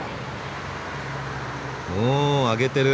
お揚げてる！